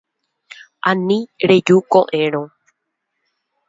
Ani reju ko'ẽrõ.